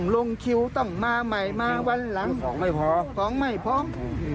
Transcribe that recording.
ลงคิวต้องมาใหม่มาวันหลังครอบครวงไม่พร้อง